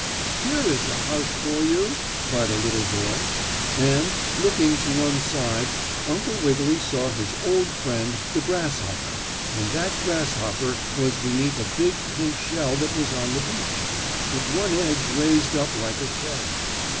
"Here is a house for you!" cried a little voice, and looking to one side Uncle Wiggily saw his old friend the grasshopper, and that grasshopper was beneath a big pink shell that was on the beach, with one edge raised up like a shed.